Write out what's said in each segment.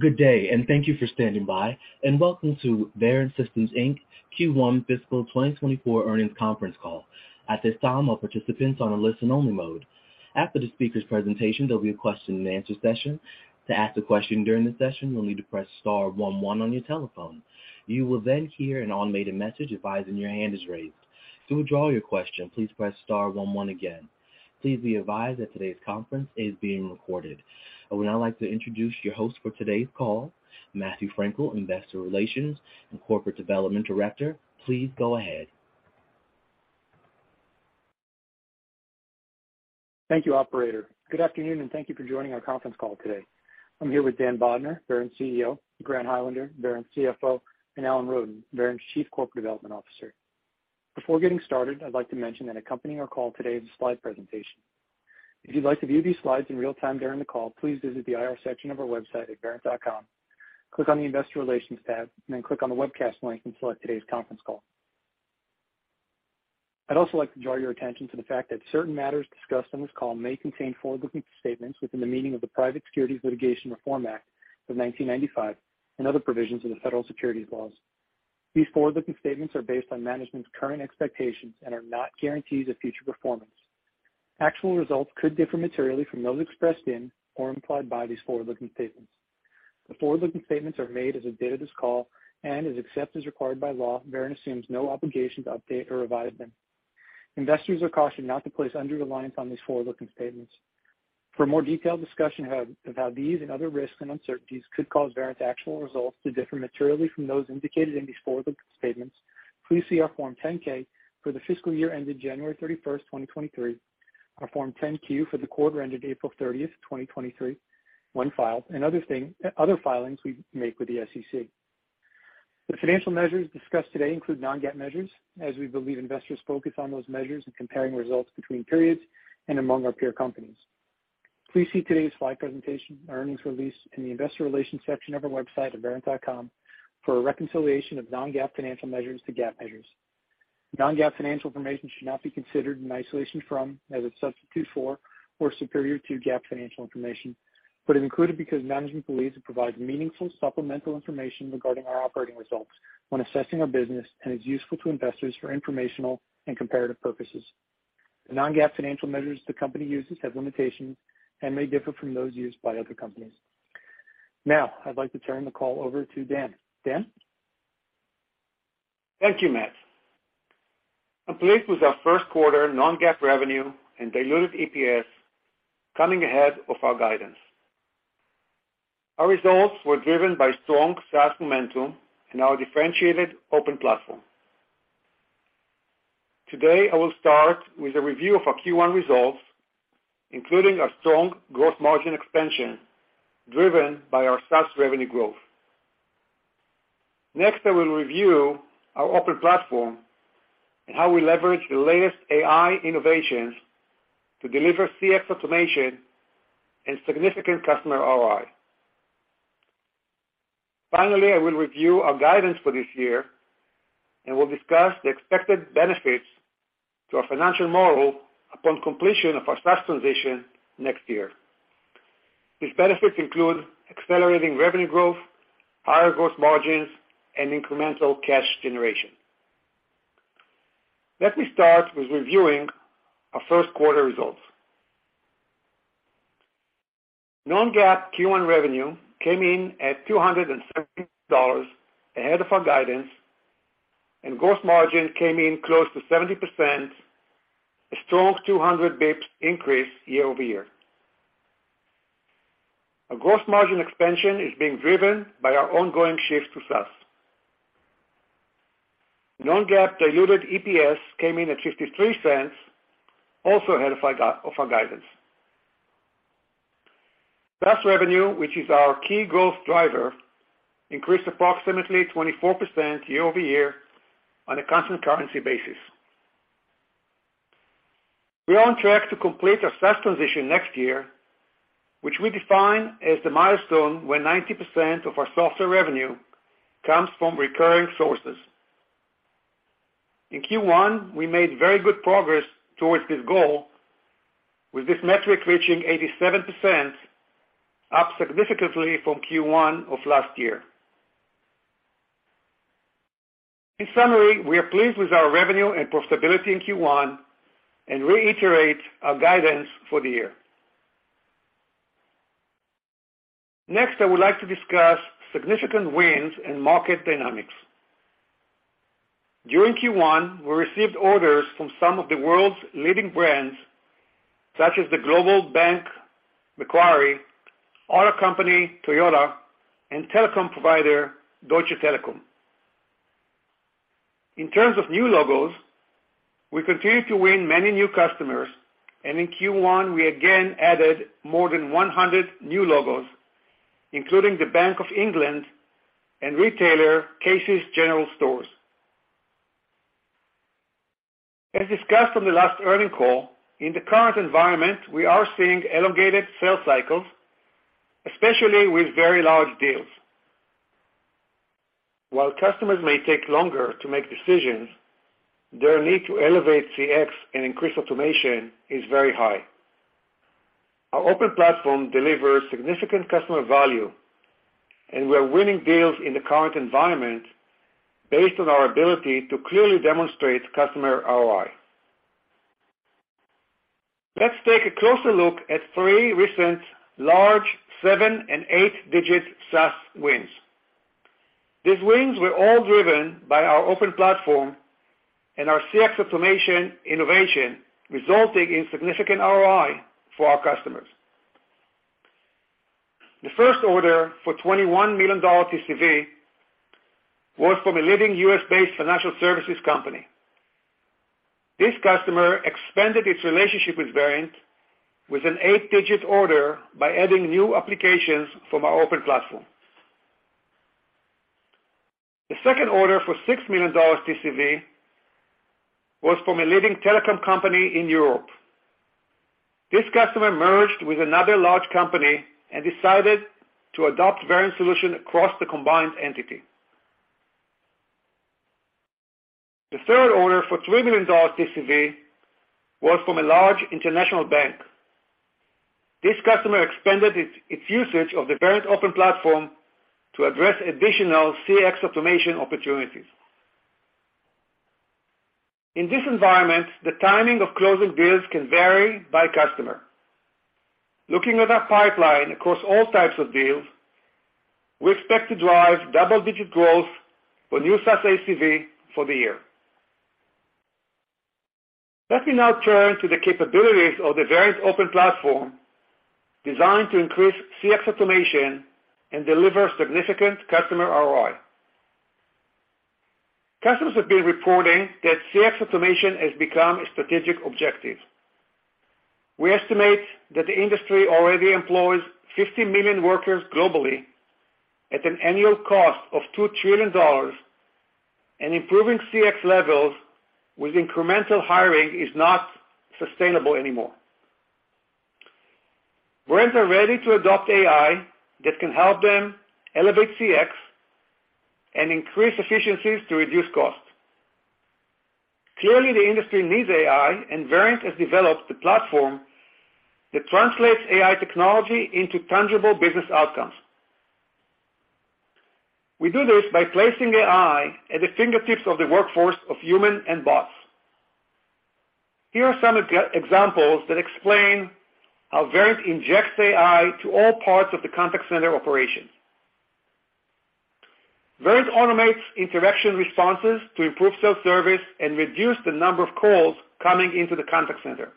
Good day, thank you for standing by, and welcome to Verint Systems Inc. Q1 Fiscal 2024 Earnings Conference Call. At this time, all participants are on a listen only mode. After the speaker's presentation, there'll be a question and answer session. To ask a question during the session, you'll need to press star one one on your telephone. You will then hear an automated message advising your hand is raised. To withdraw your question, please press star one one again. Please be advised that today's conference is being recorded. I would now like to introduce your host for today's call, Matthew Frankel, Investor Relations and Corporate Development Director. Please go ahead. Thank you, operator. Good afternoon, and thank you for joining our conference call today. I'm here with Dan Bodner, Verint CEO, Grant Highlander, Verint CFO, and Alan Roden, Verint's Chief Corporate Development Officer. Before getting started, I'd like to mention that accompanying our call today is a slide presentation. If you'd like to view these slides in real time during the call, please visit the IR section of our website at verint.com, click on the Investor Relations tab and then click on the Webcast link and select today's conference call. I'd also like to draw your attention to the fact that certain matters discussed on this call may contain forward-looking statements within the meaning of the Private Securities Litigation Reform Act of 1995 and other provisions of the Federal Securities Laws. These forward-looking statements are based on management's current expectations and are not guarantees of future performance. Actual results could differ materially from those expressed in or implied by these forward-looking statements. The forward-looking statements are made as of date of this call and, except as required by law, Verint assumes no obligation to update or revise them. Investors are cautioned not to place undue reliance on these forward-looking statements. For a more detailed discussion of how these and other risks and uncertainties could cause Verint's actual results to differ materially from those indicated in these forward-looking statements, please see our Form 10-K for the fiscal year ended January 31st, 2023, our Form 10-Q for the quarter ended April 30th, 2023, when filed, and other filings we make with the SEC. The financial measures discussed today include non-GAAP measures, as we believe investors focus on those measures in comparing results between periods and among our peer companies. Please see today's slide presentation, earnings release, in the investor relations section of our website at verint.com for a reconciliation of non-GAAP financial measures to GAAP measures. Non-GAAP financial information should not be considered in isolation from, as a substitute for, or superior to GAAP financial information, but is included because management believes it provides meaningful supplemental information regarding our operating results when assessing our business and is useful to investors for informational and comparative purposes. The non-GAAP financial measures the company uses have limitations and may differ from those used by other companies. I'd like to turn the call over to Dan. Dan? Thank you, Matt. I'm pleased with our Q1 non-GAAP revenue and diluted EPS coming ahead of our guidance. Our results were driven by strong SaaS momentum and our differentiated open platform. Today, I will start with a review of our Q1 results, including our strong gross margin expansion, driven by our SaaS revenue growth. Next, I will review our open platform and how we leverage the latest AI innovations to deliver CX automation and significant customer ROI. Finally, I will review our guidance for this year, and we'll discuss the expected benefits to our financial model upon completion of our SaaS transition next year. These benefits include accelerating revenue growth, higher gross margins, and incremental cash generation. Let me start with reviewing our Q1 results. Non-GAAP Q1 revenue came in at $217 million ahead of our guidance, and gross margin came in close to 70%, a strong 200 bps increase year-over-year. Our gross margin expansion is being driven by our ongoing shift to SaaS. Non-GAAP diluted EPS came in at $0.53, also ahead of our guidance. SaaS revenue, which is our key growth driver, increased approximately 24% year-over-year on a constant currency basis. We are on track to complete our SaaS transition next year, which we define as the milestone when 90% of our software revenue comes from recurring sources. In Q1, we made very good progress towards this goal, with this metric reaching 87%, up significantly from Q1 of last year. In summary, we are pleased with our revenue and profitability in Q1 and reiterate our guidance for the year. Next, I would like to discuss significant wins and market dynamics. During Q1, we received orders from some of the world's leading brands, such as the global bank, Macquarie, auto company, Toyota, and telecom provider, Deutsche Telekom. In terms of new logos, we continue to win many new customers, and in Q1, we again added more than 100 new logos, including the Bank of England and retailer, Casey's General Stores. As discussed on the last earning call, in the current environment, we are seeing elongated sales cycles, especially with very large deals. While customers may take longer to make decisions, their need to elevate CX and increase automation is very high. Our Open Platform delivers significant customer value, and we are winning deals in the current environment based on our ability to clearly demonstrate customer ROI. Let's take a closer look at 3 recent large 7 and 8-digit SaaS wins. These wins were all driven by our Open Platform and our CX Automation innovation, resulting in significant ROI for our customers. The first order for $21 million TCV was from a leading U.S.-based financial services company. This customer expanded its relationship with Verint with an 8-digit order by adding new applications from our Open Platform. The second order for $6 million TCV was from a leading telecom company in Europe. This customer merged with another large company and decided to adopt Verint solution across the combined entity. The third order for $3 million TCV was from a large international bank. This customer expanded its usage of the Verint Open Platform to address additional CX Automation opportunities. In this environment, the timing of closing deals can vary by customer. Looking at our pipeline across all types of deals, we expect to drive double-digit growth for new SaaS ACV for the year. Let me now turn to the capabilities of the Verint Open Platform, designed to increase CX Automation and deliver significant customer ROI. Customers have been reporting that CX Automation has become a strategic objective. We estimate that the industry already employs 50 million workers globally, at an annual cost of $2 trillion, and improving CX levels with incremental hiring is not sustainable anymore. Brands are ready to adopt AI that can help them elevate CX and increase efficiencies to reduce costs. Clearly, the industry needs AI. Verint has developed a platform that translates AI technology into tangible business outcomes. We do this by placing AI at the fingertips of the workforce of human and bots. Here are some examples that explain how Verint injects AI to all parts of the contact center operations. Verint automates interaction responses to improve self-service and reduce the number of calls coming into the contact center.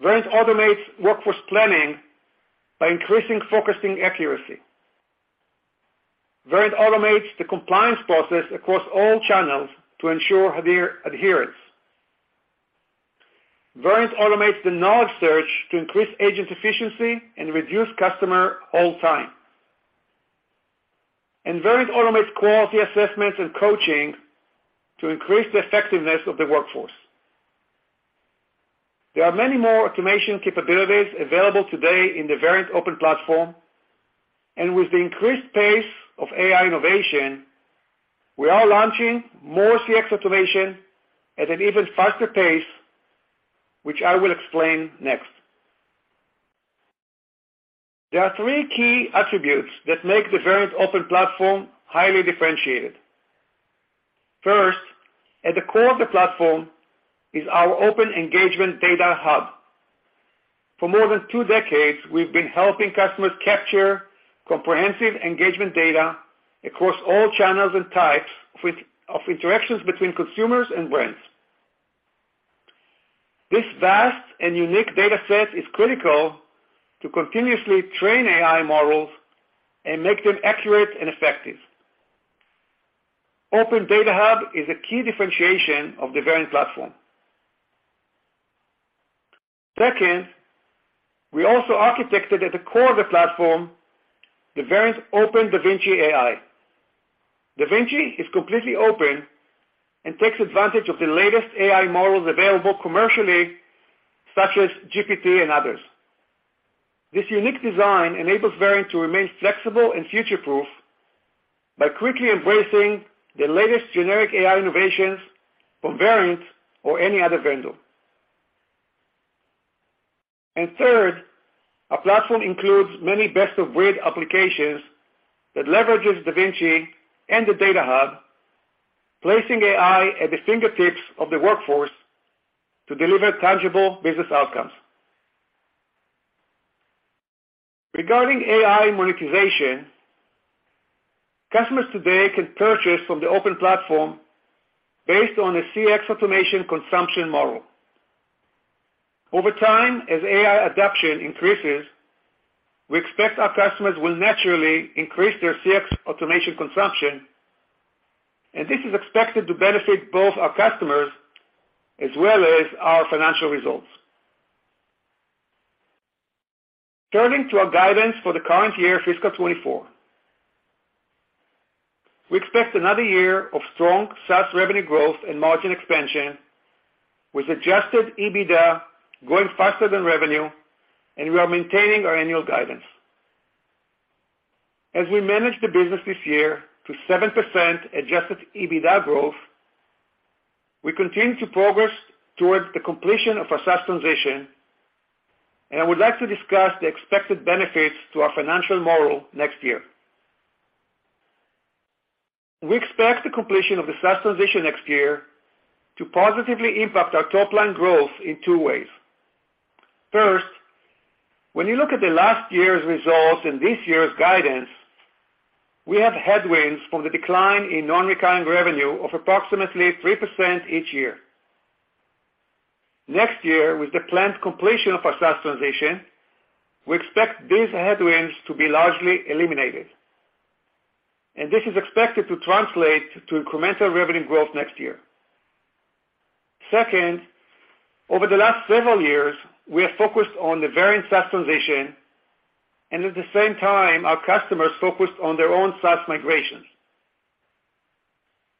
Verint automates workforce planning by increasing focusing accuracy. Verint automates the compliance process across all channels to ensure adherence. Verint automates the knowledge search to increase agent efficiency and reduce customer hold time. Verint automates quality assessments and coaching to increase the effectiveness of the workforce. There are many more automation capabilities available today in the Verint Open Platform, with the increased pace of AI innovation, we are launching more CX Automation at an even faster pace, which I will explain next. There are 3 key attributes that make the Verint Open Platform highly differentiated. First, at the core of the platform is our open Engagement Data Hub. For more than 2 decades, we've been helping customers capture comprehensive engagement data across all channels and types of interactions between consumers and brands. This vast and unique data set is critical to continuously train AI models and make them accurate and effective. Open Data Hub is a key differentiation of the Verint Platform. Second, we also architected at the core of the platform, the Verint DaVinci AI. DaVinci is completely open and takes advantage of the latest AI models available commercially, such as GPT and others. This unique design enables Verint to remain flexible and future-proof by quickly embracing the latest generic AI innovations from Verint or any other vendor. Third, our platform includes many best-of-breed applications that DaVinci and the Data Hub, placing AI at the fingertips of the workforce to deliver tangible business outcomes. Regarding AI monetization, customers today can purchase from the open platform based on a CX Automation consumption model. Over time, as AI adoption increases, we expect our customers will naturally increase their CX Automation consumption. This is expected to benefit both our customers as well as our financial results. Turning to our guidance for the current year, fiscal 2024. We expect another year of strong SaaS revenue growth and margin expansion with adjusted EBITDA growing faster than revenue, and we are maintaining our annual guidance. As we manage the business this year to 7% adjusted EBITDA growth, we continue to progress towards the completion of our SaaS transition, and I would like to discuss the expected benefits to our financial model next year. We expect the completion of the SaaS transition next year to positively impact our top line growth in two ways. First, when you look at the last year's results and this year's guidance, we have headwinds from the decline in non-recurring revenue of approximately 3% each year. Next year, with the planned completion of our SaaS transition, we expect these headwinds to be largely eliminated, and this is expected to translate to incremental revenue growth next year. Second, over the last several years, we have focused on the Verint SaaS transition. At the same time, our customers focused on their own SaaS migrations.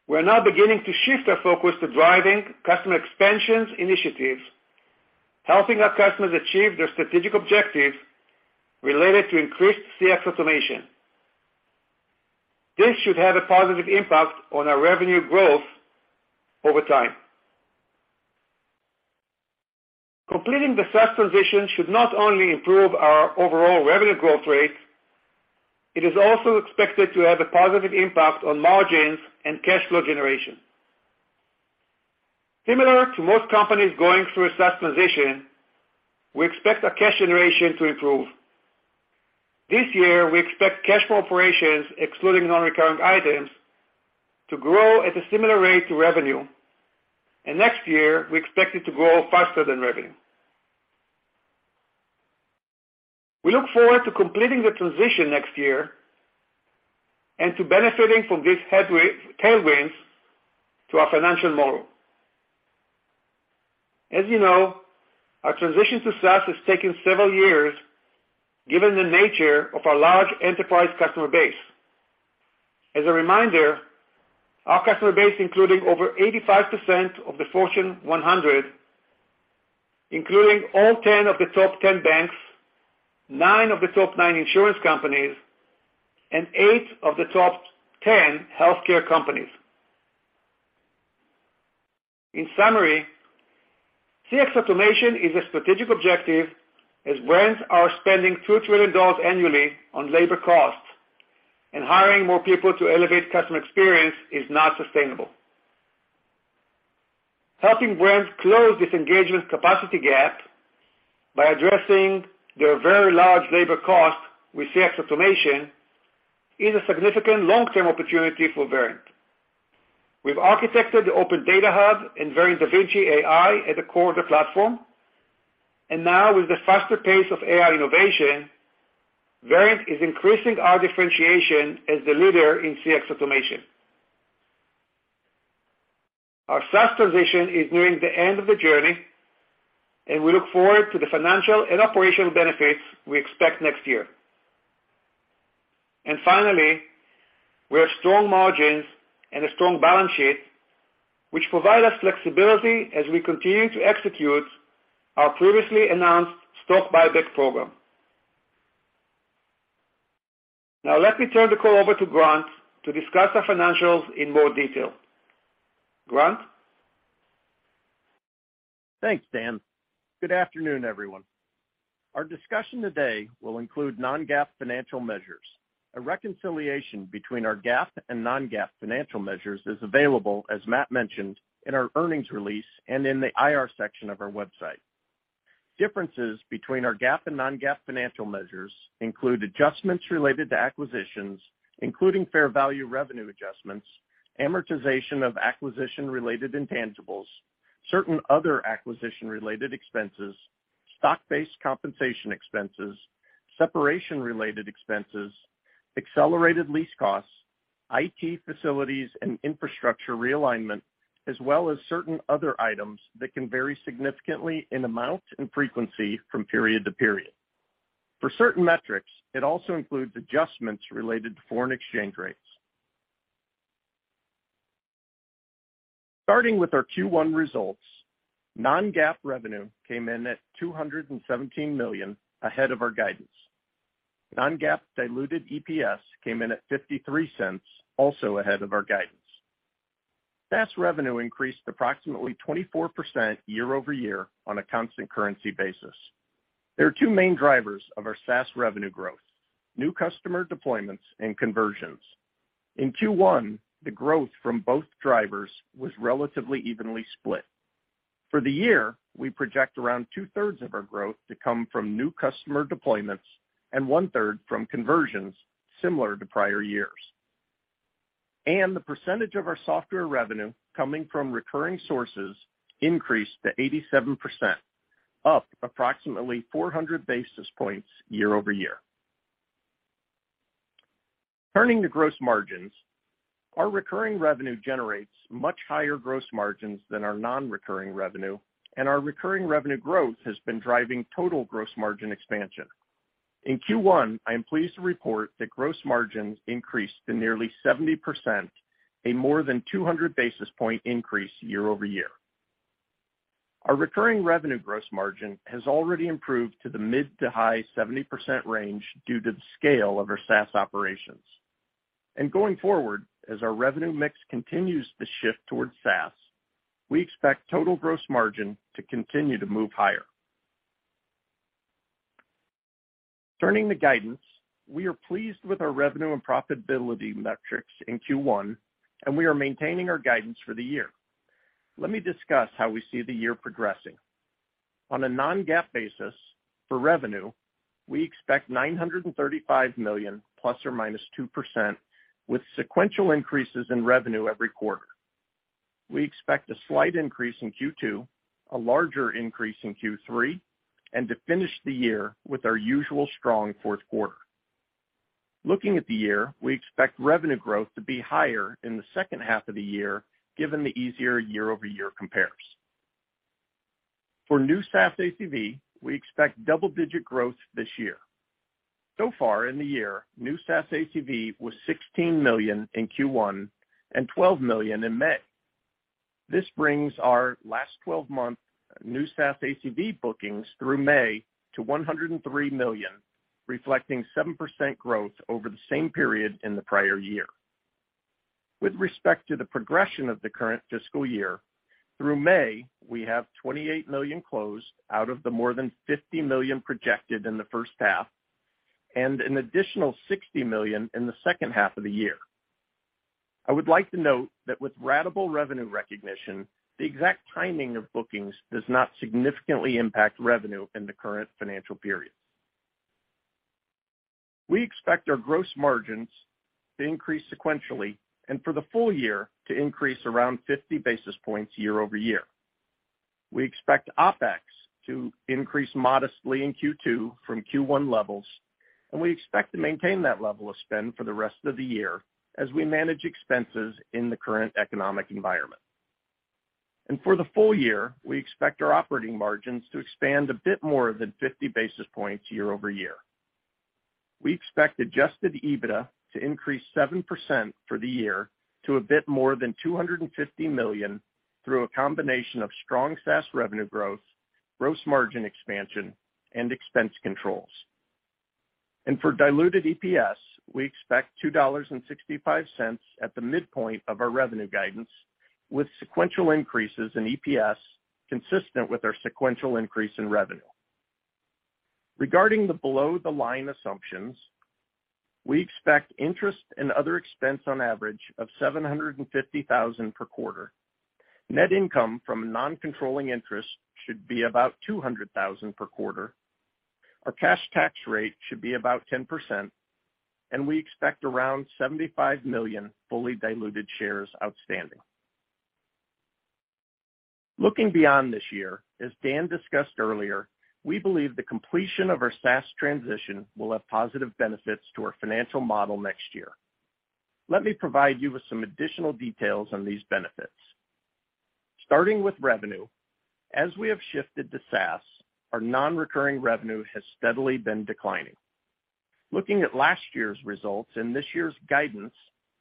We're now beginning to shift our focus to driving customer expansions initiatives, helping our customers achieve their strategic objectives related to increased CX Automation. This should have a positive impact on our revenue growth over time. Completing the SaaS transition should not only improve our overall revenue growth rate, it is also expected to have a positive impact on margins and cash flow generation. Similar to most companies going through a SaaS transition, we expect our cash generation to improve. This year, we expect cash from operations, excluding non-recurring items, to grow at a similar rate to revenue. Next year, we expect it to grow faster than revenue. We look forward to completing the transition next year and to benefiting from these tailwinds to our financial model. As you know, our transition to SaaS has taken several years, given the nature of our large enterprise customer base. As a reminder, our customer base, including over 85% of the Fortune 100, including all 10 of the top 10 banks, 9 of the top 9 insurance companies, and 8 of the top 10 healthcare companies. In summary, CX Automation is a strategic objective, as brands are spending $2 trillion annually on labor costs. Hiring more people to elevate customer experience is not sustainable. Helping brands close this engagement capacity gap by addressing their very large labor costs with CX Automation is a significant long-term opportunity for Verint. We've architected the Open Data Hub and DaVinci AI at the core of the platform. Now with the faster pace of AI innovation, Verint is increasing our differentiation as the leader in CX Automation. Our SaaS transition is nearing the end of the journey. We look forward to the financial and operational benefits we expect next year. Finally, we have strong margins and a strong balance sheet, which provide us flexibility as we continue to execute our previously announced stock buyback program. Now, let me turn the call over to Grant to discuss our financials in more detail. Grant? Thanks, Dan. Good afternoon, everyone. Our discussion today will include non-GAAP financial measures. A reconciliation between our GAAP and non-GAAP financial measures is available, as Matt mentioned, in our earnings release and in the IR section of our website. Differences between our GAAP and non-GAAP financial measures include adjustments related to acquisitions, including fair value revenue adjustments, amortization of acquisition-related intangibles, certain other acquisition-related expenses, stock-based compensation expenses, separation-related expenses, accelerated lease costs, IT facilities and infrastructure realignment, as well as certain other items that can vary significantly in amount and frequency from period to period. For certain metrics, it also includes adjustments related to foreign exchange rates. Starting with our Q1 results, non-GAAP revenue came in at $217 million, ahead of our guidance. Non-GAAP diluted EPS came in at $0.53, also ahead of our guidance. SaaS revenue increased approximately 24% year-over-year on a constant currency basis. There are two main drivers of our SaaS revenue growth, new customer deployments and conversions. In Q1, the growth from both drivers was relatively evenly split. For the year, we project around 2/3 of our growth to come from new customer deployments and 1/3 from conversions, similar to prior years. The percentage of our software revenue coming from recurring sources increased to 87%, up approximately 400 basis points year-over-year. Turning to gross margins, our recurring revenue generates much higher gross margins than our non-recurring revenue, and our recurring revenue growth has been driving total gross margin expansion. In Q1, I am pleased to report that gross margins increased to nearly 70%, a more than 200 basis point increase year-over-year. Our recurring revenue gross margin has already improved to the mid to high 70% range due to the scale of our SaaS operations. Going forward, as our revenue mix continues to shift towards SaaS, we expect total gross margin to continue to move higher. Turning to guidance, we are pleased with our revenue and profitability metrics in Q1, and we are maintaining our guidance for the year. Let me discuss how we see the year progressing. On a non-GAAP basis, for revenue, we expect $935 million, ±2%, with sequential increases in revenue every quarter. We expect a slight increase in Q2, a larger increase in Q3, and to finish the year with our usual strong Q4. Looking at the year, we expect revenue growth to be higher in the second half of the year, given the easier year-over-year compares. For new SaaS ACV, we expect double-digit growth this year. So far in the year, new SaaS ACV was $16 million in Q1 and $12 million in May. This brings our last twelve-month new SaaS ACV bookings through May to $103 million, reflecting 7% growth over the same period in the prior year. With respect to the progression of the current fiscal year, through May, we have $28 million closed out of the more than $50 million projected in the first half and an additional $60 million in the second half of the year. I would like to note that with ratable revenue recognition, the exact timing of bookings does not significantly impact revenue in the current financial period. We expect our gross margins to increase sequentially and for the full year to increase around 50 basis points year-over-year. We expect OpEx to increase modestly in Q2 from Q1 levels. We expect to maintain that level of spend for the rest of the year as we manage expenses in the current economic environment. For the full year, we expect our operating margins to expand a bit more than 50 basis points year-over-year. We expect adjusted EBITDA to increase 7% for the year to a bit more than $250 million through a combination of strong SaaS revenue growth, gross margin expansion, and expense controls. For diluted EPS, we expect $2.65 at the midpoint of our revenue guidance, with sequential increases in EPS consistent with our sequential increase in revenue. Regarding the below-the-line assumptions, we expect interest and other expense on average of $750,000 per quarter. Net income from non-controlling interest should be about $200,000 per quarter. Our cash tax rate should be about 10%, and we expect around 75 million fully diluted shares outstanding. Looking beyond this year, as Dan discussed earlier, we believe the completion of our SaaS transition will have positive benefits to our financial model next year. Let me provide you with some additional details on these benefits. Starting with revenue, as we have shifted to SaaS, our non-recurring revenue has steadily been declining. Looking at last year's results and this year's guidance,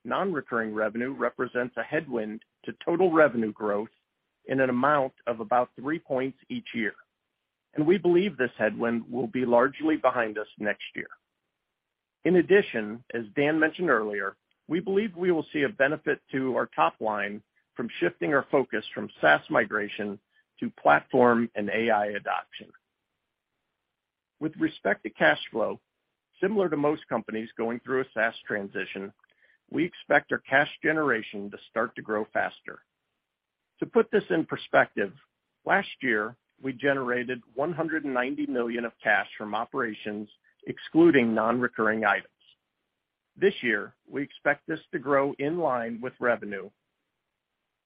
non-recurring revenue represents a headwind to total revenue growth in an amount of about 3 points each year, and we believe this headwind will be largely behind us next year. As Dan mentioned earlier, we believe we will see a benefit to our top line from shifting our focus from SaaS migration to platform and AI adoption. With respect to cash flow, similar to most companies going through a SaaS transition, we expect our cash generation to start to grow faster. To put this in perspective, last year, we generated $190 million of cash from operations, excluding non-recurring items. This year, we expect this to grow in line with revenue.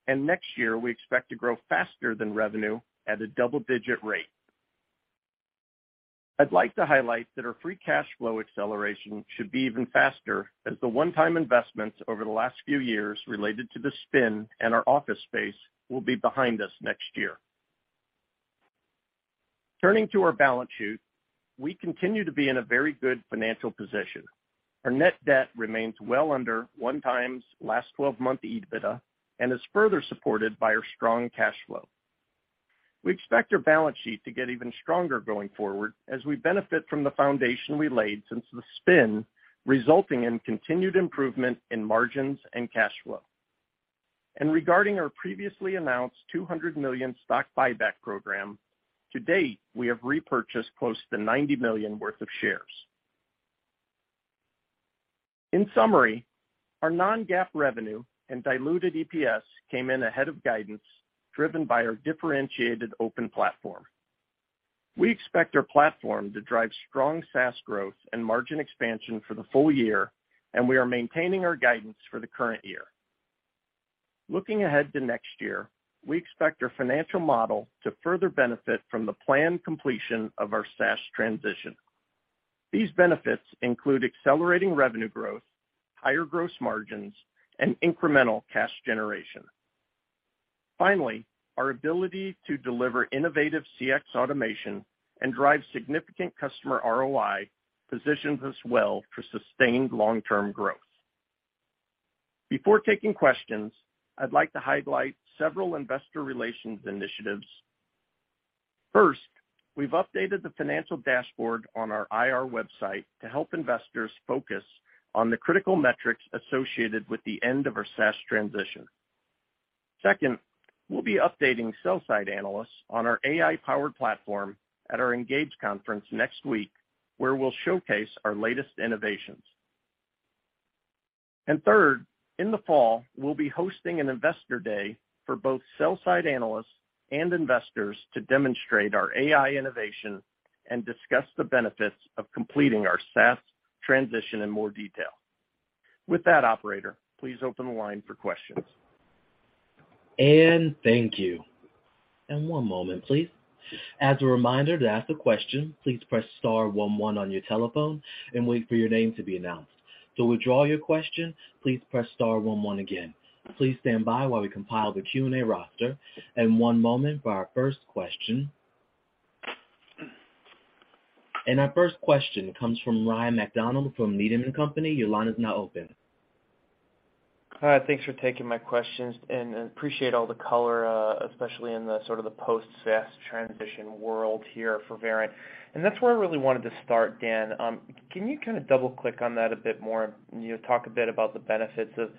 Next year, we expect to grow faster than revenue at a double-digit rate. I'd like to highlight that our free cash flow acceleration should be even faster, as the one-time investments over the last few years related to the spin and our office space will be behind us next year. Turning to our balance sheet, we continue to be in a very good financial position. Our net debt remains well under 1 times last twelve-month EBITDA and is further supported by our strong cash flow. Regarding our previously announced $200 million stock buyback program, to date, we have repurchased close to $90 million worth of shares. In summary, our non-GAAP revenue and diluted EPS came in ahead of guidance, driven by our differentiated Open Platform. We expect our Open Platform to drive strong SaaS growth and margin expansion for the full year, and we are maintaining our guidance for the current year. Looking ahead to next year, we expect our financial model to further benefit from the planned completion of our SaaS transition. These benefits include accelerating revenue growth, higher gross margins, and incremental cash generation. Finally, our ability to deliver innovative CX Automation and drive significant customer ROI, positions us well for sustained long-term growth. Before taking questions, I'd like to highlight several investor relations initiatives. First, we've updated the financial dashboard on our IR website to help investors focus on the critical metrics associated with the end of our SaaS transition. Second, we'll be updating sell side analysts on our AI-powered platform at our Engage conference next week, where we'll showcase our latest innovations. Third, in the fall, we'll be hosting an investor day for both sell side analysts and investors to demonstrate our AI innovation and discuss the benefits of completing our SaaS transition in more detail. With that, operator, please open the line for questions. Thank you. One moment, please. As a reminder, to ask a question, please press star one one on your telephone and wait for your name to be announced. To withdraw your question, please press star one one again. Please stand by while we compile the Q&A roster. One moment for our first question. Our first question comes from Ryan MacDonald with Needham & Company. Your line is now open. Thanks for taking my questions, and appreciate all the color, especially in the sort of the post SaaS transition world here for Verint. That's where I really wanted to start, Dan. Can you kind of double click on that a bit more, you know, talk a bit about the benefits of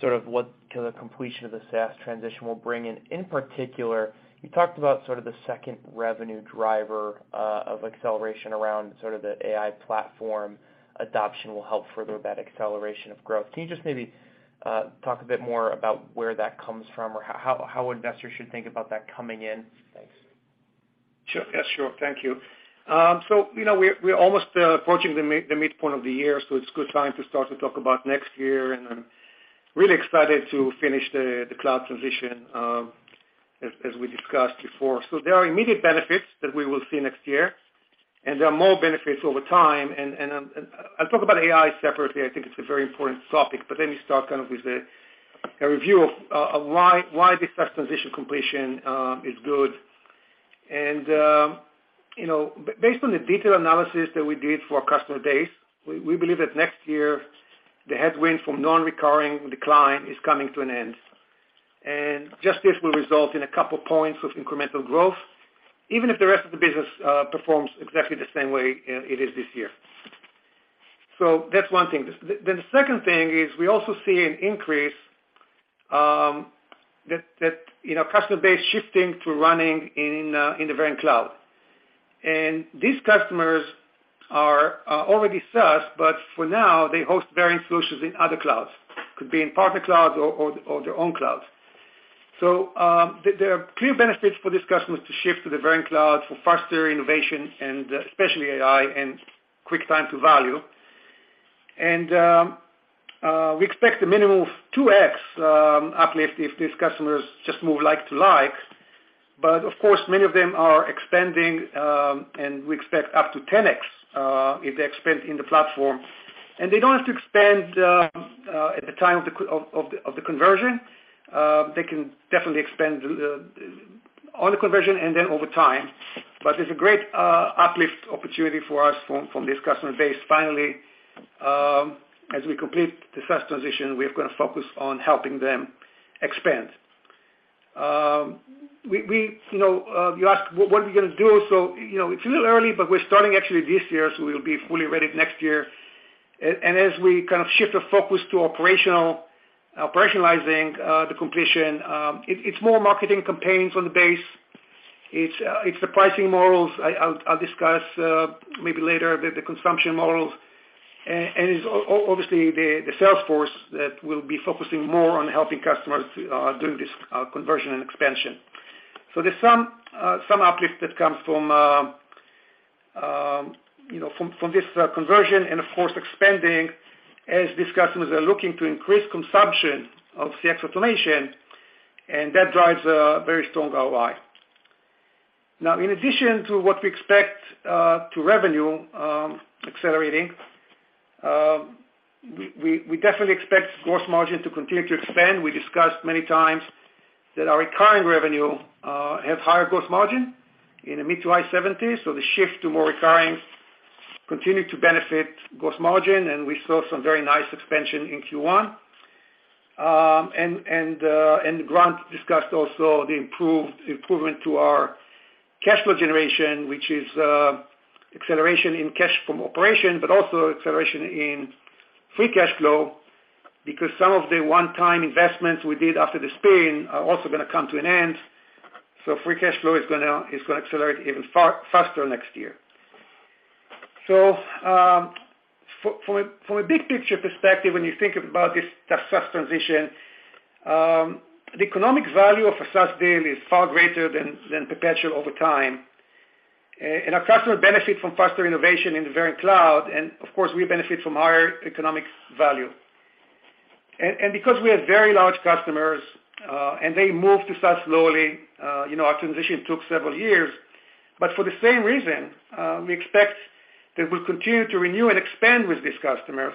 sort of what the completion of the SaaS transition will bring in? In particular, you talked about sort of the second revenue driver of acceleration around sort of the AI platform adoption will help further that acceleration of growth. Can you just maybe talk a bit more about where that comes from or how investors should think about that coming in? Thanks. Sure. Yeah, sure. Thank you. You know, we're almost approaching the midpoint of the year, so it's a good time to start to talk about next year, and I'm really excited to finish the cloud transition, as we discussed before. There are immediate benefits that we will see next year, and there are more benefits over time. I'll talk about AI separately. I think it's a very important topic, but let me start kind of with a review of, why this SaaS transition completion, is good. you know, based on the detailed analysis that we did for our customer base, we believe that next year, the headwind from non-recurring decline is coming to an end, and this will result in 2 points of incremental growth, even if the rest of the business performs exactly the same way it is this year. That's one thing. The second thing is we also see an increase that, you know, customer base shifting to running in the Verint Cloud. These customers are already SaaS, but for now, they host Verint solutions in other clouds. Could be in partner clouds or their own clouds. There are clear benefits for these customers to shift to the Verint Cloud for faster innovation and especially AI and quick time to value. We expect a minimum of 2x uplift if these customers just move like to like, of course, many of them are expanding, and we expect up to 10x if they expand in the platform. They don't have to expand at the time of the conversion. They can definitely expand on the conversion and then over time. There's a great uplift opportunity for us from this customer base. Finally, as we complete the SaaS transition, we're gonna focus on helping them expand. We, you know, you asked, what are we gonna do? You know, it's a little early, but we're starting actually this year, we'll be fully ready next year. As we kind of shift the focus to operational, operationalizing, the completion, it's more marketing campaigns on the base. It's the pricing models. I'll discuss maybe later, the consumption models. It's obviously the sales force that will be focusing more on helping customers doing this conversion and expansion. There's some uplift that comes from, you know, from this conversion and of course, expanding as these customers are looking to increase consumption of CX automation, and that drives a very strong ROI. In addition to what we expect to revenue accelerating, we definitely expect gross margin to continue to expand. We discussed many times that our recurring revenue have higher gross margin in the mid-to-high 70s. The shift to more recurring continued to benefit gross margin, and we saw some very nice expansion in Q1. Grant discussed also the improved improvement to our cash flow generation, which is acceleration in cash from operation, but also acceleration in free cash flow, because some of the one-time investments we did after the spin are also gonna come to an end. Free cash flow is gonna accelerate even faster next year. From a big picture perspective, when you think about this, the SaaS transition, the economic value of a SaaS deal is far greater than perpetual over time. Our customer benefit from faster innovation in the Verint Cloud, and of course, we benefit from higher economic value. Because we have very large customers, and they move to SaaS slowly, you know, our transition took several years. For the same reason, we expect that we'll continue to renew and expand with these customers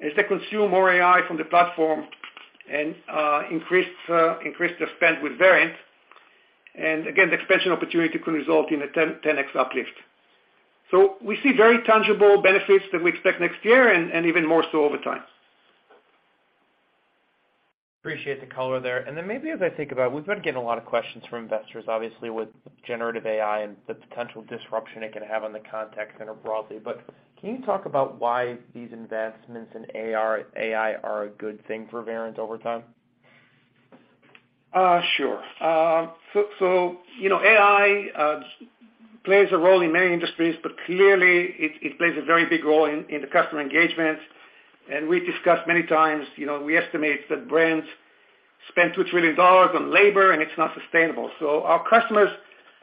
as they consume more AI from the platform and increase their spend with Verint. Again, the expansion opportunity could result in a 10x uplift. We see very tangible benefits that we expect next year and even more so over time. Appreciate the color there. Maybe as I think about, we've been getting a lot of questions from investors, obviously, with generative AI and the potential disruption it can have on the contact center broadly. Can you talk about why these investments in AR, AI are a good thing for Verint over time? Sure. You know, AI plays a role in many industries, but clearly it plays a very big role in the customer engagement. We discussed many times, you know, we estimate that brands spend $2 trillion on labor, and it's not sustainable. Our customers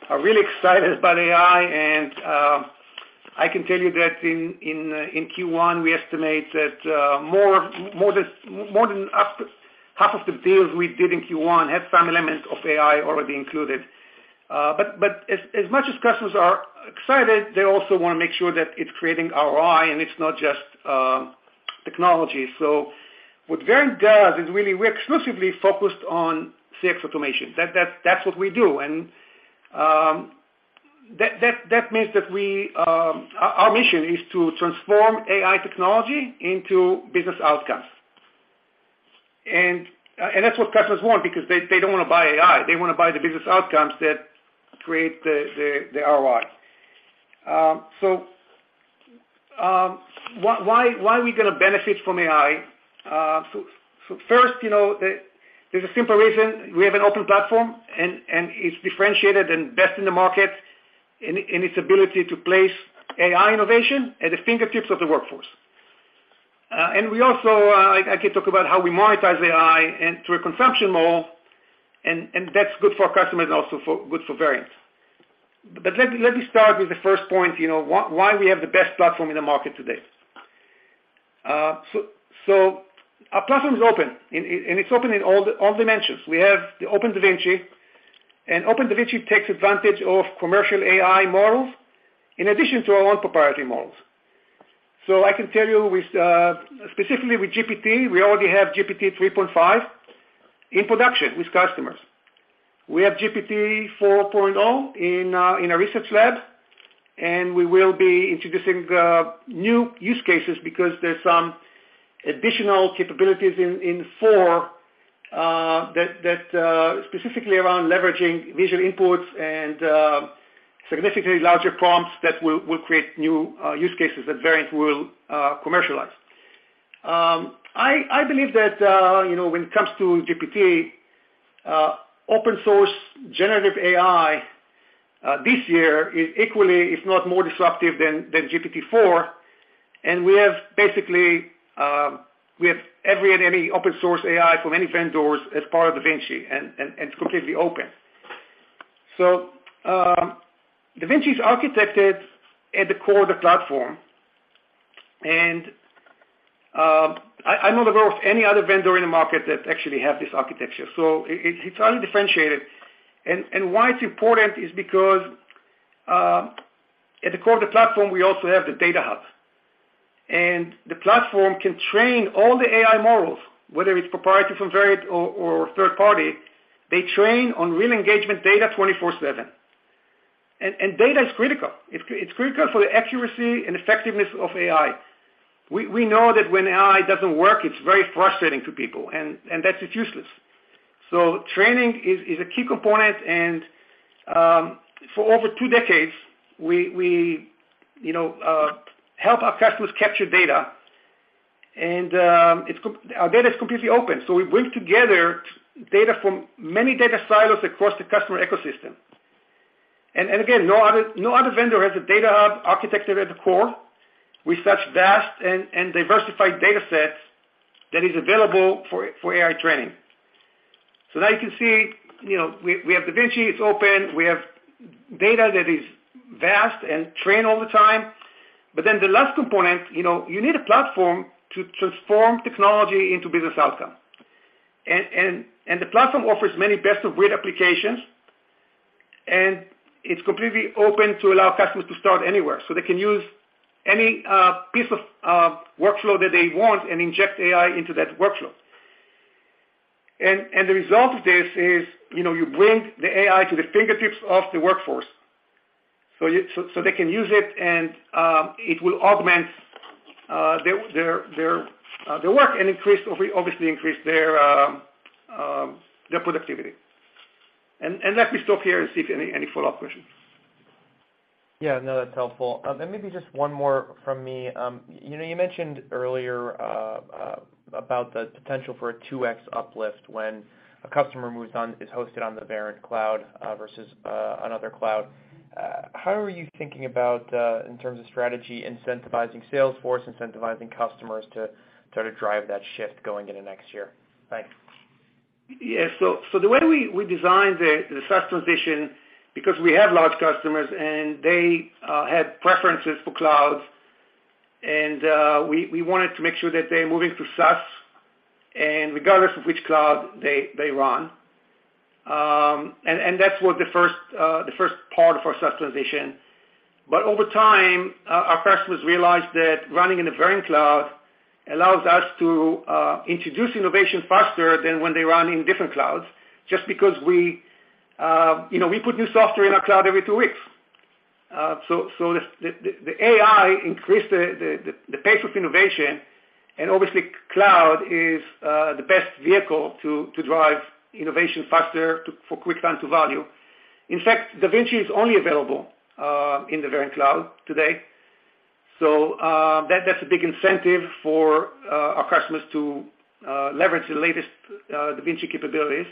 are really excited about AI. I can tell you that in Q1, we estimate that more than half of the deals we did in Q1 had some element of AI already included. As much as customers are excited, they also wanna make sure that it's creating ROI, and it's not just technology. What Verint does is really, we're exclusively focused on CX Automation. That's what we do. That means that we, our mission is to transform AI technology into business outcomes. That's what customers want because they don't wanna buy AI, they wanna buy the business outcomes that create the ROI. Why are we gonna benefit from AI? First, you know, there's a simple reason. We have an open platform, and it's differentiated and best in the market in its ability to place AI innovation at the fingertips of the workforce. We also, I can talk about how we monetize AI and through a consumption model, and that's good for our customers and also good for Verint. Let me start with the first point, you know, why we have the best platform in the market today. So our platform is open, and it's open in all dimensions. We have the DaVinci, and DaVinci takes advantage of commercial AI models in addition to our own proprietary models. I can tell you with specifically with GPT, we already have GPT-3.5 in production with customers. We have GPT-4 in our research lab, and we will be introducing new use cases because there's some additional capabilities in 4 that specifically around leveraging visual inputs and significantly larger prompts that will create new use cases that Verint will commercialize. I believe that, you know, when it comes to GPT, open source generative AI, this year is equally, if not more disruptive than GPT-4. We have basically, we have every and any open source AI from any vendors as part of DaVinci, it's completely open. DaVinci is architected at the core of the platform, I don't know of any other vendor in the market that actually have this architecture, it's undifferentiated. Why it's important is because, at the core of the platform, we also have the Data Hub, and the platform can train all the AI models, whether it's proprietary from Verint or third party, they train on real engagement data 24/7. Data is critical. It's critical for the accuracy and effectiveness of AI. We know that when AI doesn't work, it's very frustrating to people, that is useless. Training is a key component and for over 2 decades, we, you know, help our customers capture data, and our data is completely open. We bring together data from many data silos across the customer ecosystem. Again, no other vendor has a Data Hub architecture at the core with such vast and diversified data sets that is available for AI training. Now you can see, you know, we DaVinci, it's open, we have data that is vast and trained all the time. The last component, you know, you need a platform to transform technology into business outcome. The platform offers many best-of-breed applications, and it's completely open to allow customers to start anywhere, so they can use any piece of workflow that they want and inject AI into that workflow. The result of this is, you know, you bring the AI to the fingertips of the workforce, so they can use it and it will augment their, their work and increase, obviously increase their productivity. Let me stop here and see if any follow-up questions. Yeah, no, that's helpful. Maybe just one more from me. You know, you mentioned earlier, about the potential for a 2x uplift when a customer is hosted on the Verint Cloud, versus another cloud. How are you thinking about, in terms of strategy, incentivizing Salesforce, incentivizing customers to try to drive that shift going into next year? Thanks. The way we designed the SaaS transition, because we have large customers and they had preferences for cloud, we wanted to make sure that they're moving to SaaS, and regardless of which cloud they run. That's what the first part of our SaaS transition. Over time, our customers realized that running in a Verint Cloud allows us to introduce innovations faster than when they run in different clouds, just because we, you know, we put new software in our Cloud every two weeks. The AI increased the pace of innovation, and obviously, cloud is the best vehicle to drive innovation faster for quick time to value. In DaVinci is only available in the Verint Cloud today. That, that's a big incentive for our customers to leverage the latest DaVinci capabilities.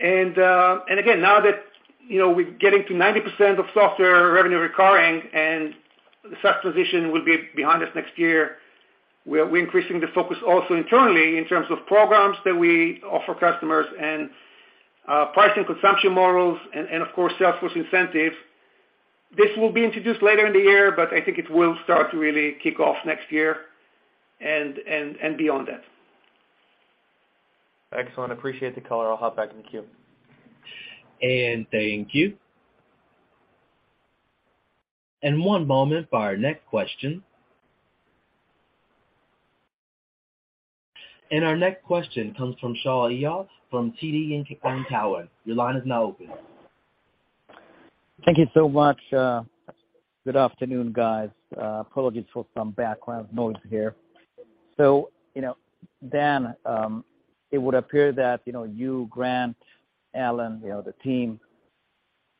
Again, now that, you know, we're getting to 90% of software revenue recurring and the SaaS transition will be behind us next year, we're increasing the focus also internally in terms of programs that we offer customers and pricing consumption models, and of course, Salesforce incentives. This will be introduced later in the year, but I think it will start to really kick off next year and beyond that. Excellent. Appreciate the color. I'll hop back in the queue. Thank you. One moment for our next question. Our next question comes from Shaul Eyal from TD Cowen. Your line is now open. Thank you so much. Good afternoon, guys. Apologies for some background noise here. You know, Dan, it would appear that, you know, you, Grant, Alan, you know, the team,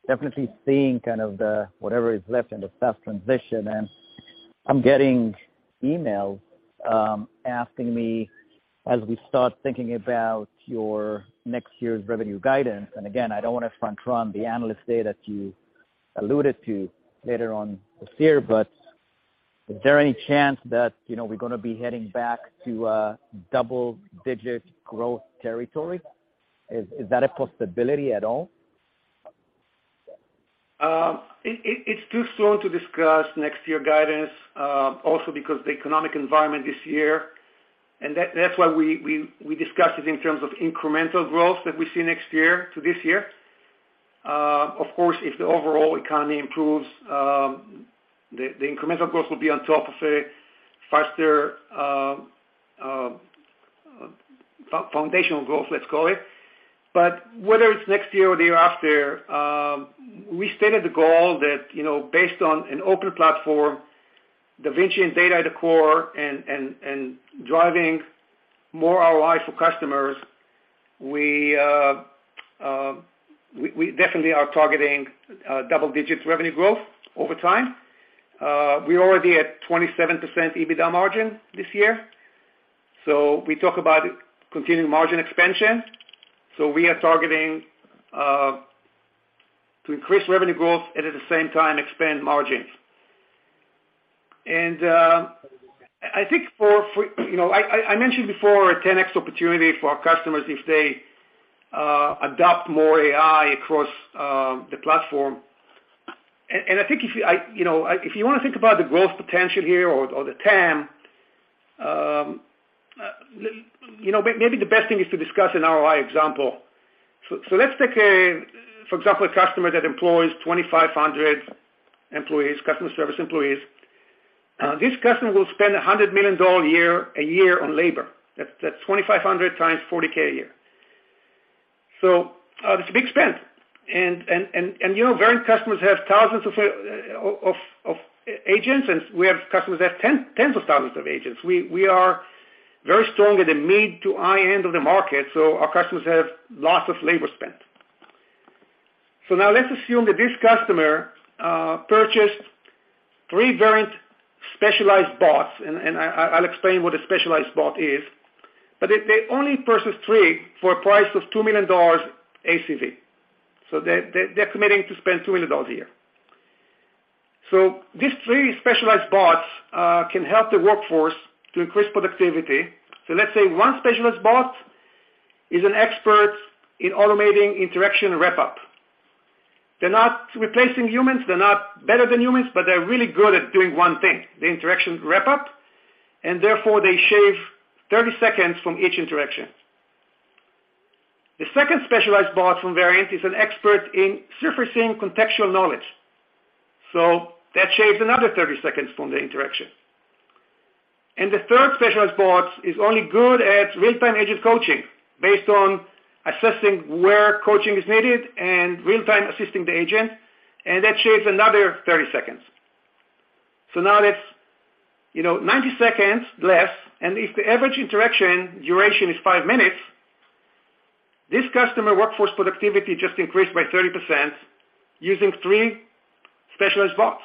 definitely seeing kind of the, whatever is left in the staff transition. I'm getting emails, asking me, as we start thinking about your next year's revenue guidance, again, I don't want to front run the analyst day that you alluded to later on this year, but is there any chance that, you know, we're gonna be heading back to a double-digit growth territory? Is that a possibility at all? It's too soon to discuss next year guidance, also because the economic environment this year, that's why we discussed it in terms of incremental growth that we see next year to this year. Of course, if the overall economy improves, the incremental growth will be on top of a faster foundational growth, let's call it. Whether it's next year or the year after, we stated the goal that, you know, based on an open DaVinci and data at the core and driving more ROI for customers, we definitely are targeting double-digit revenue growth over time. We're already at 27% EBITDA margin this year, so we talk about continuing margin expansion. We are targeting to increase revenue growth and at the same time expand margins. I think you know, I mentioned before a 10x opportunity for our customers if they adopt more AI across the platform. I think if you want to think about the growth potential here or the TAM, you know, maybe the best thing is to discuss an ROI example. Let's take a customer that employs 2,500 employees, customer service employees. This customer will spend $100 million a year on labor. That's 2,500 times $40K a year. It's a big spend. You know, Verint customers have thousands of agents, and we have customers that have tens of thousands of agents. We are very strong in the mid to high end of the market, so our customers have lots of labor spend. Now let's assume that this customer purchased three Verint specialized bots, and I'll explain what a specialized bot is. They only purchased three for a price of $2 million ACV. They're committing to spend $2 million a year. These three specialized bots can help the workforce to increase productivity. Let's say one specialist bot is an expert in automating interaction wrap up. They're not replacing humans, they're not better than humans, but they're really good at doing one thing, the interaction wrap up, and therefore, they shave 30 seconds from each interaction. The second specialized bot from Verint is an expert in surfacing contextual knowledge. That shaves another 30 seconds from the interaction. The third specialized bot is only good at real-time agent coaching, based on assessing where coaching is needed and real-time assisting the agent, and that shaves another 30 seconds. Now that's, you know, 90 seconds less, and if the average interaction duration is 5 minutes, this customer workforce productivity just increased by 30% using 3 specialized bots.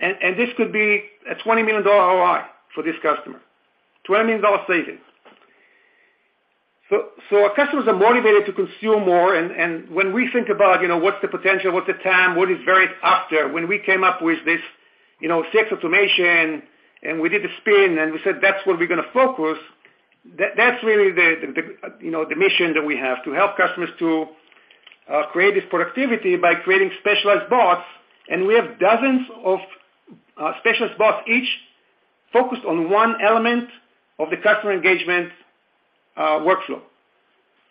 This could be a $20 million ROI for this customer, $20 million savings. Our customers are motivated to consume more, and when we think about, you know, what's the potential? What's the TAM? What is Verint after? When we came up with this, you know, CX Automation, and we did the spin, and we said, "That's where we're gonna focus," that's really the, you know, the mission that we have, to help customers create this productivity by creating specialized bots, and we have dozens of specialist bots, each focused on one element of the customer engagement workflow.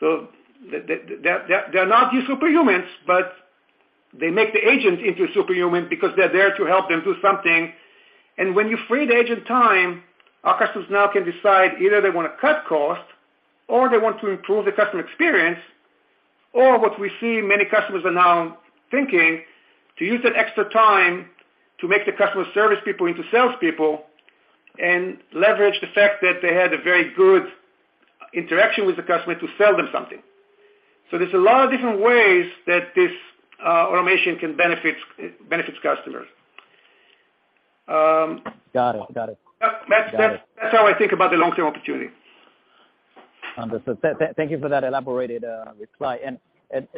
They're, they're not your superhumans, but they make the agent into a superhuman because they're there to help them do something. When you free the agent time, our customers now can decide either they wanna cut cost or they want to improve the customer experience, or what we see many customers are now thinking, to use that extra time to make the customer service people into salespeople and leverage the fact that they had a very good interaction with the customer to sell them something. There's a lot of different ways that this automation can benefit, benefits customers. Got it. Got it. That's- Got it. That's how I think about the long-term opportunity. Understood. Thank you for that elaborated reply.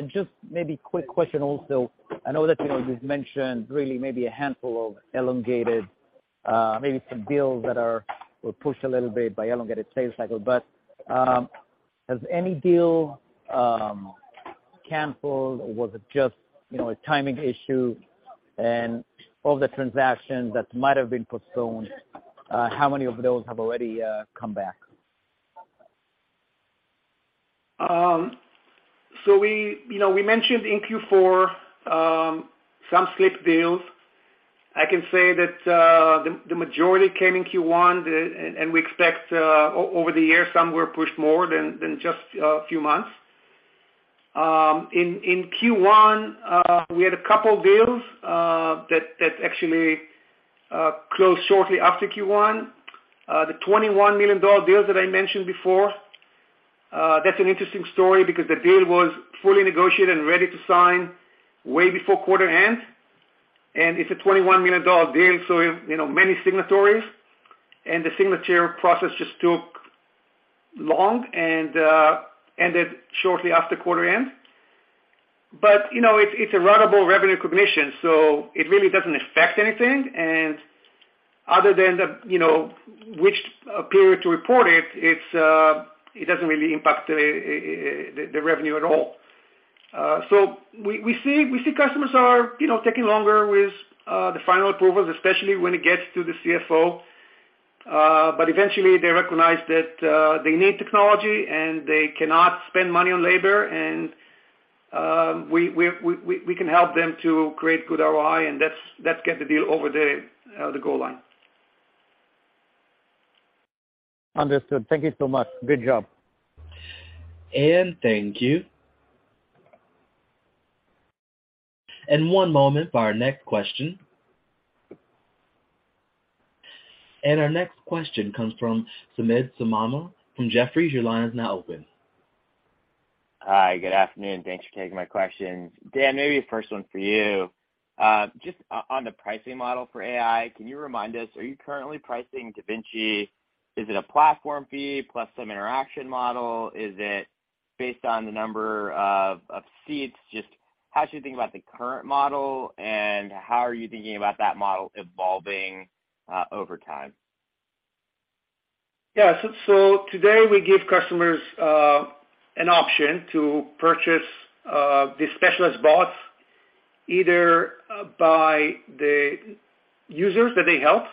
Just maybe quick question also, I know that, you know, you've mentioned really maybe a handful of elongated, maybe some deals that are, were pushed a little bit by elongated sales cycle, has any deal canceled, or was it just, you know, a timing issue? Of the transactions that might have been postponed, how many of those have already come back? We, you know, we mentioned in Q4 some slipped deals. I can say that the majority came in Q1, and we expect over the year, some were pushed more than just a few months. In Q1, we had a couple deals that actually closed shortly after Q1. The $21 million deal that I mentioned before, that's an interesting story because the deal was fully negotiated and ready to sign way before quarter end, it's a $21 million deal, you know, many signatories, the signature process just took long and ended shortly after quarter end. You know, it's a ratable revenue recognition, it really doesn't affect anything. Other than the, you know, which period to report it doesn't really impact the revenue at all. We see customers are, you know, taking longer with the final approvals, especially when it gets to the CFO. Eventually they recognize that they need technology and they cannot spend money on labor, and we can help them to create good ROI, and that's get the deal over the goal line. Understood. Thank you so much. Good job. Thank you. One moment for our next question. Our next question comes from Samad Samana from Jefferies. Your line is now open. Hi, good afternoon. Thanks for taking my questions. Dan, maybe the first one for you. Just on the pricing model for AI, can you remind us, are you currently pricing DaVinci? Is it a platform fee plus some interaction model? Is it based on the number of seats? Just how should you think about the current model, and how are you thinking about that model evolving, over time? Today we give customers an option to purchase the specialist bots, either by the users that they help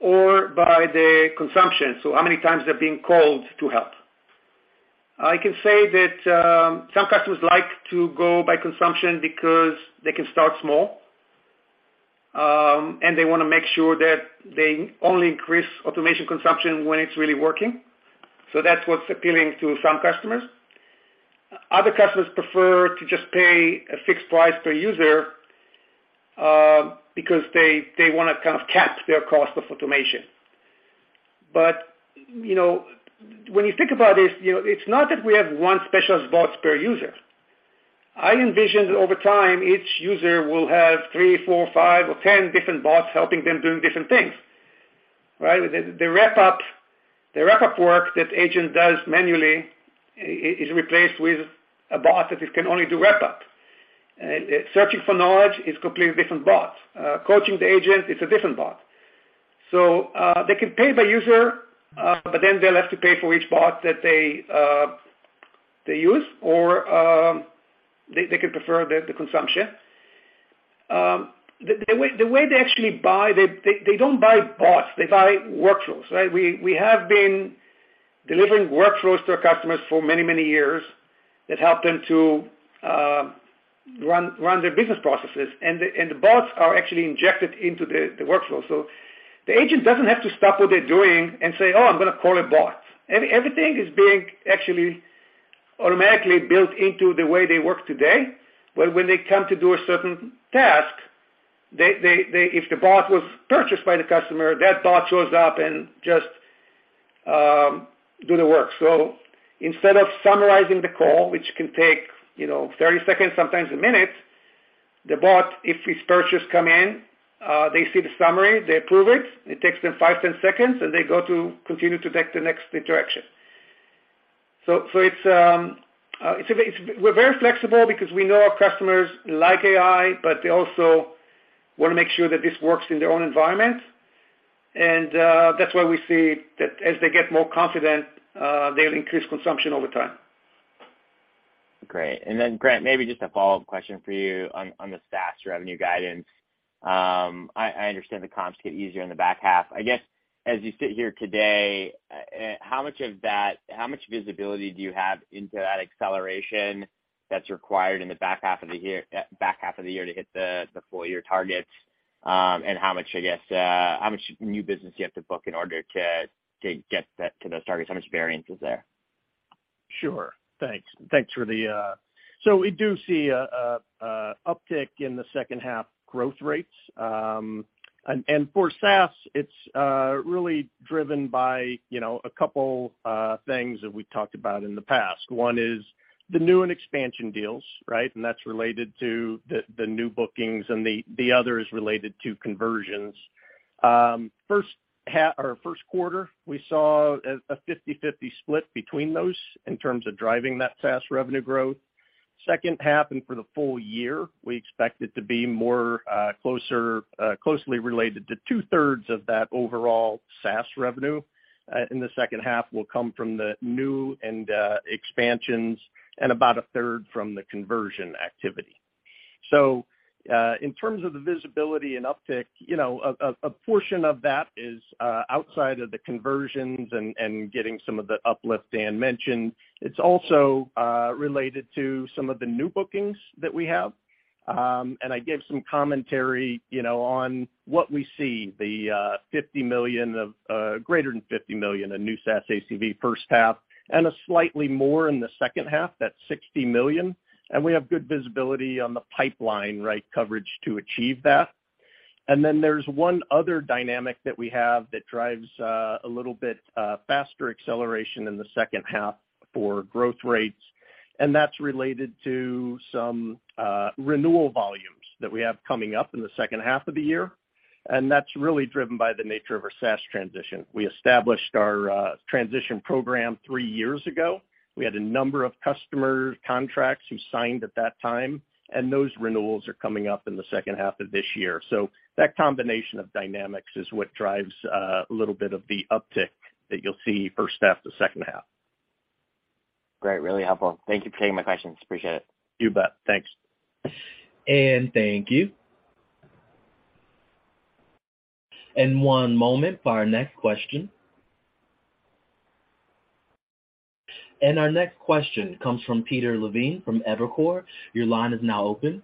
or by the consumption, so how many times they're being called to help. I can say that some customers like to go by consumption because they can start small and they wanna make sure that they only increase automation consumption when it's really working. That's what's appealing to some customers. Other customers prefer to just pay a fixed price per user because they wanna kind of cap their cost of automation. You know, when you think about this, you know, it's not that we have one specialist bots per user. I envision over time, each user will have three, four, five, or 10 different bots helping them doing different things, right? The wrap up work that agent does manually is replaced with a bot that it can only do wrap up. Searching for knowledge is completely different bots. Coaching the agent, it's a different bot. They can pay per user, but then they'll have to pay for each bot that they use or they could prefer the consumption. The way they actually buy, they don't buy bots, they buy workflows, right? We have been delivering workflows to our customers for many, many years that help them to run their business processes. The bots are actually injected into the workflow. The agent doesn't have to stop what they're doing and say, "Oh, I'm gonna call a bot." Everything is being actually automatically built into the way they work today. When they come to do a certain task, If the bot was purchased by the customer, that bot shows up and just do the work. Instead of summarizing the call, which can take, you know, 30 seconds, sometimes a minute, the bot, if it's purchased, come in, they see the summary, they approve it takes them 5, 10 seconds, and they go to continue to take the next interaction. It's we're very flexible because we know our customers like AI, but they also wanna make sure that this works in their own environment. That's why we see that as they get more confident, they'll increase consumption over time. Great. Grant, maybe just a follow-up question for you on the SaaS revenue guidance. I understand the comps get easier in the back half. I guess, as you sit here today, how much visibility do you have into that acceleration that's required in the back half of the year to hit the full year targets? How much, I guess, how much new business do you have to book in order to get that to those targets? How much variance is there? Sure. Thanks. Thanks for the. We do see a uptick in the second half growth rates. For SaaS, it's really driven by, you know, a couple things that we've talked about in the past. One is the new and expansion deals, right? That's related to the new bookings, and the other is related to conversions. Q1, we saw a 50/50 split between those in terms of driving that SaaS revenue growth. Second half, and for the full year, we expect it to be more closer, closely related to two-thirds of that overall SaaS revenue in the second half will come from the new and expansions, and about a third from the conversion activity. In terms of the visibility and uptick, you know, a portion of that is outside of the conversions and getting some of the uplift Dan mentioned. It's also related to some of the new bookings that we have. I gave some commentary, you know, on what we see, the $50 million of greater than $50 million in new SaaS ACV first half, and a slightly more in the second half, that's $60 million. We have good visibility on the pipeline, right, coverage to achieve that. There's one other dynamic that we have that drives a little bit faster acceleration in the second half for growth rates, and that's related to some renewal volumes that we have coming up in the second half of the year. That's really driven by the nature of our SaaS transition. We established our transition program three years ago. We had a number of customer contracts who signed at that time, and those renewals are coming up in the second half of this year. That combination of dynamics is what drives a little bit of the uptick that you'll see first half to second half. Great, really helpful. Thank you for taking my questions. Appreciate it. You bet. Thanks. Thank you. One moment for our next question. Our next question comes from Peter Levine from Evercore. Your line is now open.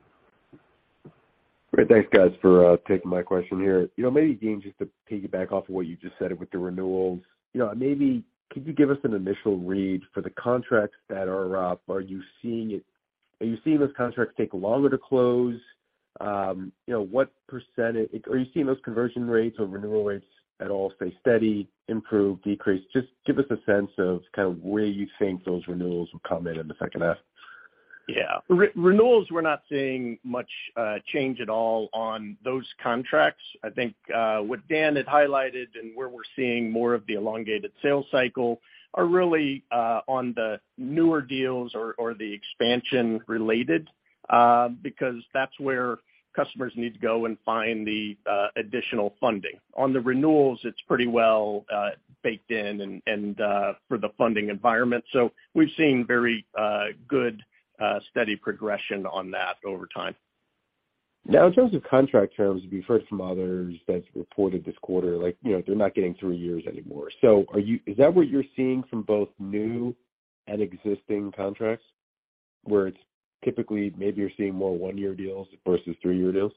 Great. Thanks, guys, for taking my question here. You know, maybe, Dan, just to piggyback off of what you just said with the renewals, you know, maybe could you give us an initial read for the contracts that are up, are you seeing those contracts take longer to close? You know, what % are you seeing those conversion rates or renewal rates at all stay steady, improve, decrease? Just give us a sense of kind of where you think those renewals will come in in the second half. Yeah. Renewals, we're not seeing much change at all on those contracts. I think what Dan had highlighted and where we're seeing more of the elongated sales cycle are really on the newer deals or the expansion related because that's where customers need to go and find the additional funding. On the renewals, it's pretty well baked in and for the funding environment. We've seen very good steady progression on that over time. In terms of contract terms, we've heard from others that's reported this quarter, like, you know, they're not getting three years anymore. Is that what you're seeing from both new and existing contracts, where it's typically maybe you're seeing more one-year deals versus three-year deals?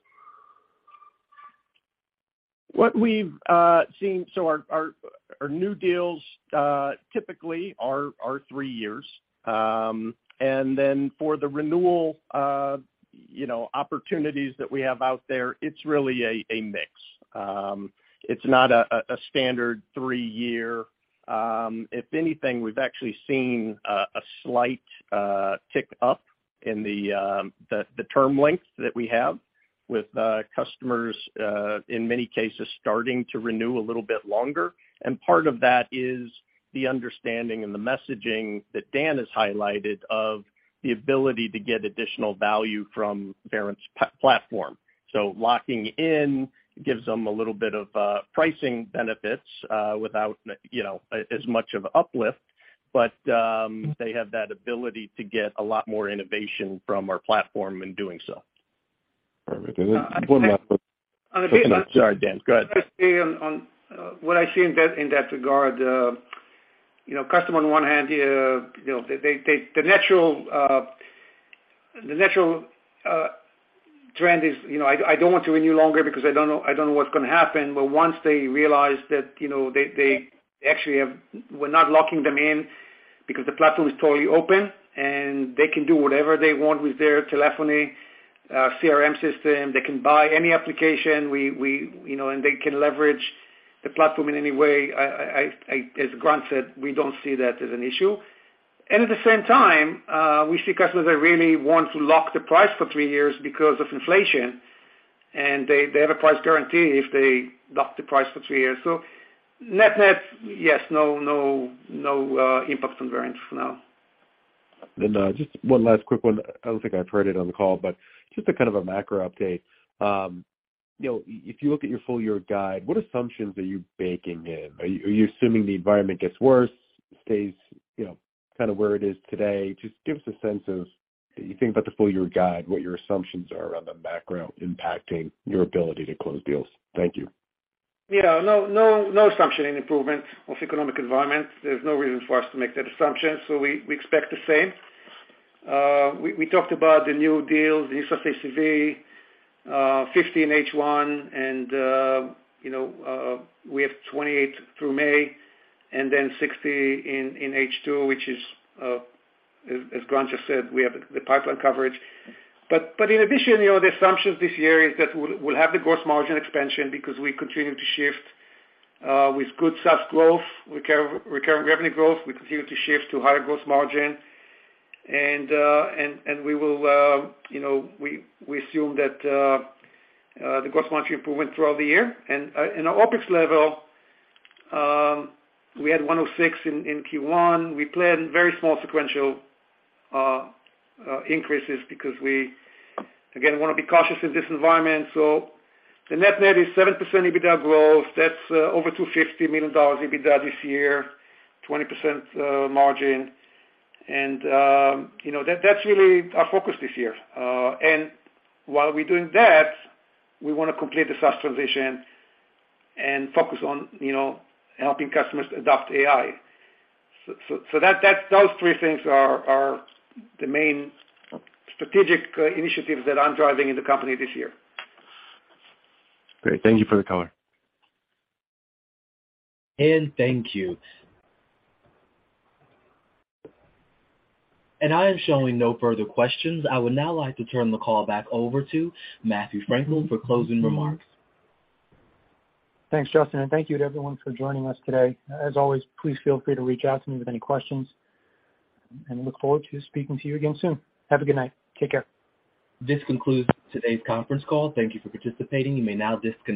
What we've seen, our new deals typically are 3 years. For the renewal, you know, opportunities that we have out there, it's really a mix. It's not a standard 3 year. If anything, we've actually seen a slight tick up in the term length that we have with customers, in many cases, starting to renew a little bit longer. Part of that is the understanding and the messaging that Dan has highlighted of the ability to get additional value from Verint's platform. Locking in gives them a little bit of pricing benefits, without, you know, as much of uplift, but they have that ability to get a lot more innovation from our platform in doing so. Perfect. One last, sorry, Dan, go ahead. I'd say on what I see in that regard, you know, customer on one hand, you know, they, the natural trend is, you know, I don't want to renew longer because I don't know what's gonna happen. Once they realize that, you know, we're not locking them in because the platform is totally open, and they can do whatever they want with their telephony, CRM system. They can buy any application, we, you know, and they can leverage the platform in any way. As Grant said, we don't see that as an issue. At the same time, we see customers that really want to lock the price for 3 years because of inflation, and they have a price guarantee if they lock the price for 3 years. Net-net, yes, no, no, impact on Verint for now. Just one last quick one. I don't think I've heard it on the call, but just a kind of a macro update. You know, if you look at your full year guide, what assumptions are you baking in? Are you assuming the environment gets worse, stays, you know, kind of where it is today? Just give us a sense of, you think about the full year guide, what your assumptions are around the macro impacting your ability to close deals. Thank you. Yeah. No, no assumption in improvement of economic environment. There's no reason for us to make that assumption, so we expect the same. We talked about the new deals, the use of ACV, $15 H1, and, you know, we have $28 through May, and then $60 in H2, which is, as Grant just said, we have the pipeline coverage. In addition, you know, the assumptions this year is that we'll have the gross margin expansion because we continue to shift with good SaaS growth, recurring revenue growth. We continue to shift to higher gross margin and we will, you know, we assume that the gross margin improvement throughout the year. In our OpEx level, we had $106 in Q1. We planned very small sequential increases because we, again, wanna be cautious in this environment. The net-net is 7% EBITDA growth. That's over $250 million EBITDA this year, 20% margin. You know, that's really our focus this year. While we're doing that, we wanna complete the SaaS transition and focus on, you know, helping customers adopt AI. Those three things are the main strategic initiatives that I'm driving in the company this year. Great. Thank you for the color. Thank you. I am showing no further questions. I would now like to turn the call back over to Matthew Frankel for closing remarks. Thanks, Justin, and thank you to everyone for joining us today. As always, please feel free to reach out to me with any questions, and I look forward to speaking to you again soon. Have a good night. Take care. This concludes today's conference call. Thank you for participating. You may now disconnect.